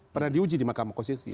pernah diuji di makam konstitusi